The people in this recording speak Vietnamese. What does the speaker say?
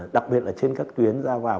đặc biệt là trên các tuyến ra vào